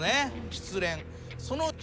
失恋。